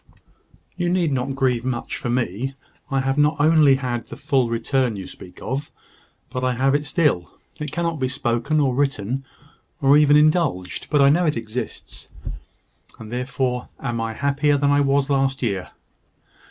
"You need not grieve much for me. I have not only had the full return you speak of, but I have it still. It cannot be spoken, or written, or even indulged; but I know it exists; and therefore am I happier than I was last year.